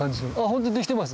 ホントできてます